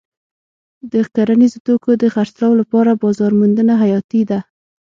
د کرنیزو توکو د خرڅلاو لپاره بازار موندنه حیاتي ده.